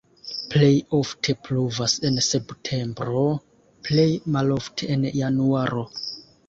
Plej ofte pluvas en septembro, plej malofte en januaro.